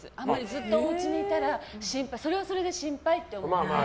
ずっとおうちにいたらそれはそれで心配って。